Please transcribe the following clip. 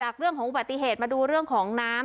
เรื่องของอุบัติเหตุมาดูเรื่องของน้ำ